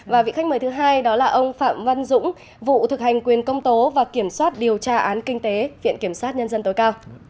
và vị khách mời thứ hai đó là ông phạm văn dũng vụ thực hành quyền công tố và kiểm soát điều tra án kinh tế viện kiểm sát nhân dân tối cao